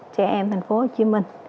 trẻ em thành phố hồ chí minh